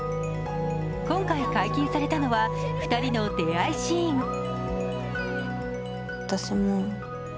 今回、解禁されたのは２人の出会いシーン。